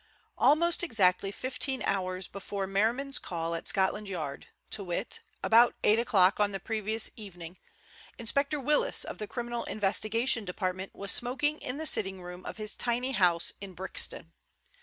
Almost exactly fifteen hours before Merriman's call at Scotland Yard, to wit, about eight o'clock on the previous evening, Inspector Willis of the Criminal Investigation Department was smoking in the sitting room of his tiny house in Brixton.